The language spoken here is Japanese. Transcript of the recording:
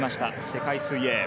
世界水泳。